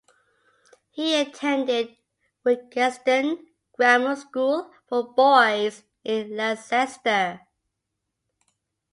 He attended Wyggeston Grammar School for Boys in Leicester.